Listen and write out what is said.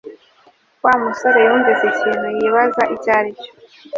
Wa musore yumvise ikintu yibaza icyo aricyo